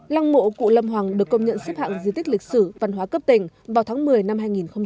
lăng mộ cụ lâm hoàng được công nhận xếp hạng di tích lịch sử văn hóa cấp tỉnh vào tháng một mươi năm hai nghìn một mươi